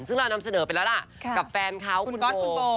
ซึ่งเรานำเสนอไปแล้วล่ะกับแฟนเขาคุณก๊อตคุณโบ